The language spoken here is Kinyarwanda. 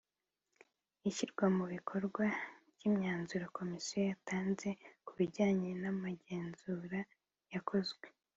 Ishyirwa mu bikorwa ry imyanzuro Komisiyo yatanze ku bijyanye n amagenzura yakozwe